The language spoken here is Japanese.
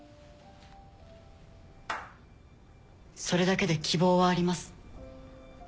それだけで希望はあります。